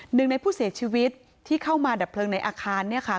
หนึ่งในผู้เสียชีวิตที่เข้ามาดับเพลิงในอาคารเนี่ยค่ะ